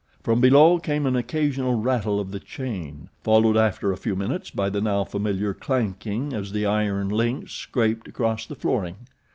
From below came an occasional rattle of the chain, followed after a few minutes by the now familiar clanking as the iron links scraped across the flooring.